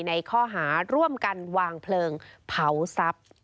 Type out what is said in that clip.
ในข้อหาร่วมกันวางเพลิงเผาทรัพย์